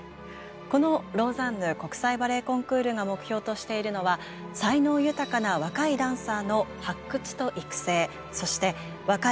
このローザンヌ国際バレエコンクールが目標としているのは才能豊かな若いダンサーの発掘と育成。